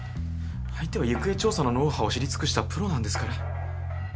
相手は行方調査のノウハウを知り尽くしたプロなんですから。